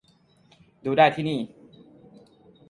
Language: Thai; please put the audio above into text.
ดูได้ที่นี่